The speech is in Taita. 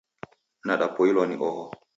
Nadapoilwa ni oho